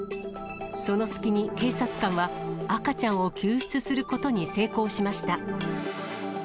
その隙に警察官は赤ちゃんを救出することに成功しました。